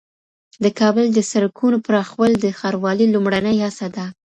د کابل د سړکونو پراخول د ښاروالۍ لومړنۍ هڅه ده.